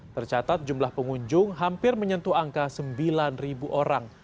tercatat jumlah pengunjung hampir menyentuh angka sembilan orang